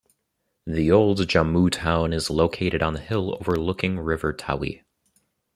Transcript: The old Jammu town is located on the hill overlooking river Tawi.